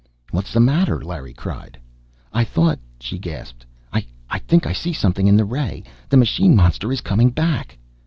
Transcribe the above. "What's the matter?" Larry cried. "I thought " she gasped, "I think I see something in the ray! The machine monster is coming back!"